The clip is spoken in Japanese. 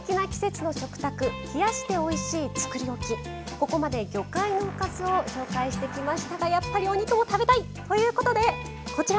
ここまで魚介のおかずを紹介してきましたがやっぱりお肉も食べたい！ということでこちら。